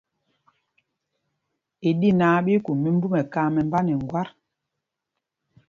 Ɗí náǎ ɓí í kum mimbú mɛkam mɛmbá nɛ ŋgwát ê.